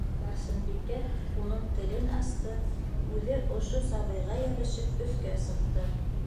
Барсынбикә уның телен асты, үҙе ошо сабыйға йәбешеп өҫкә сыҡты.